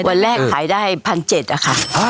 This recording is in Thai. วันแรกขายได้พันเจ็ดอะค่ะ